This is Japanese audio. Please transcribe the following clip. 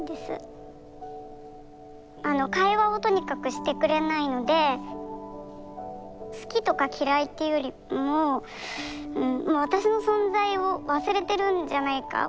会話をとにかくしてくれないので好きとか嫌いというよりも私の存在を忘れてるんじゃないか。